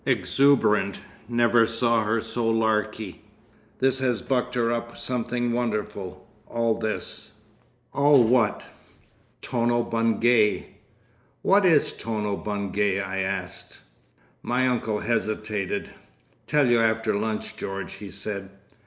"Exuberant. Never saw her so larky. This has bucked her up something wonderful—all this." "All what?" "Tono Bungay." "What is Tono Bungay?" I asked. My uncle hesitated. "Tell you after lunch, George," he said.